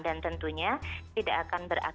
dan tentunya tidak akan berakhir